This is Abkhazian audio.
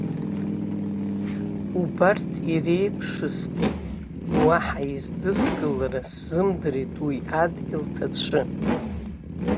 Убарҭ иреиԥшыстәит, уаҳа издыскылара сзымдырит уи адгьыл ҭацәы.